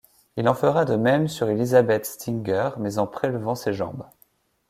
Il en fera de même sur Elizabeth Stinger, mais en prélevant ses jambes.